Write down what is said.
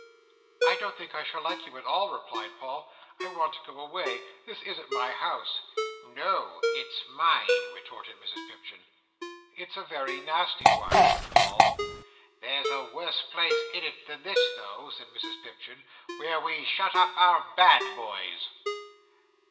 "I don't think I shall like you at all," replied Paul. "I want to go away. This isn't my house." "No. It's mine," retorted Mrs Pipchin. "It's a very nasty one," said Paul. "There's a worse place in it than this though," said Mrs Pipchin, "where we shut up our bad boys."